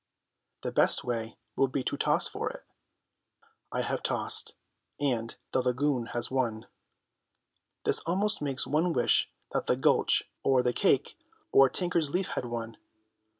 The best way will be to toss for it. I have tossed, and the lagoon has won. This almost makes one wish that the gulch or the cake or Tink's leaf had won.